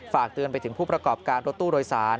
ฝากเตือนไปถึงผู้ประกอบการรถตู้โดยสาร